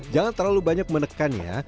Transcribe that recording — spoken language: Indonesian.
jangan terlalu banyak menekan ya